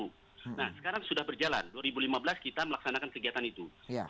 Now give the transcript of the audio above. nah sekarang sudah berjalan dua ribu lima belas kita melaksanakan kegiatan itu